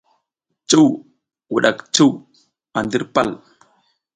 Cuw wuɗak cuw a ndir pal.